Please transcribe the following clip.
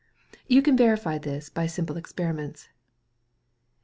You can verify this by simple experiments.